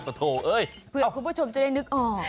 โอ้โหเอ้ยเผื่อคุณผู้ชมจะได้นึกออก